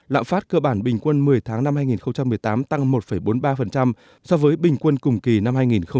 lạng phát cơ bản bình quân một mươi tháng năm hai nghìn một mươi tám tăng một bốn mươi ba so với bình quân cùng kỳ năm hai nghìn một mươi tám